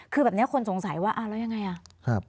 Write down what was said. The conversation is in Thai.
คือแบบนี้คนสงสัยว่าแล้วยังไง